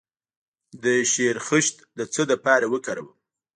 د شیرخشت د څه لپاره وکاروم؟